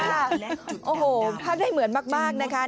โอ้โหภาพได้เหมือนมากนะคะ